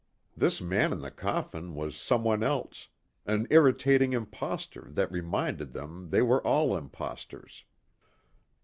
This man in the coffin was someone else, an irritating impostor that reminded them they were all impostors.